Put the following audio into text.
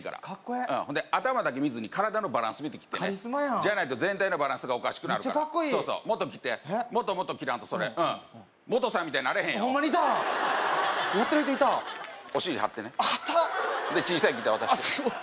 えほんで頭だけ見ずに体のバランス見て切ってねじゃないとカリスマやん全体のバランスがおかしくなるからメッチャかっこいいそうそうもっと切ってもっともっと切らんとそれうんモトさんみたいになれへんよホンマにいたやってる人いたお尻はってねあっはったで小さいギター渡してあっ